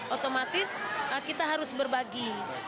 otomatis kita harus berbagi